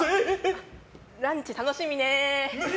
ランチ楽しみね！